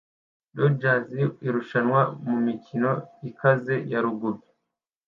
Rugers irushanwa mumikino ikaze ya rugby